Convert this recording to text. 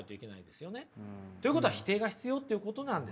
ということは否定が必要っていうことなんですよ。